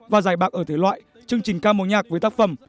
và giải bạc ở thể loại chương trình ca mối nhạc với tác phẩm